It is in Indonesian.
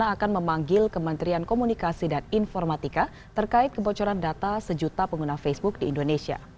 akan memanggil kementerian komunikasi dan informatika terkait kebocoran data sejuta pengguna facebook di indonesia